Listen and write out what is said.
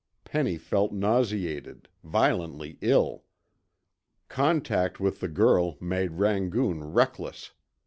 Penny felt nauseated, violently ill. Contact with the girl made Rangoon reckless.